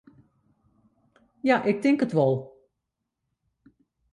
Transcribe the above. Ja, ik tink it wol.